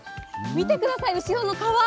見てください、後ろの川。